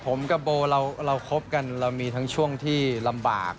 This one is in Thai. ผมกับโบเราคบกันเรามีทั้งช่วงที่ลำบาก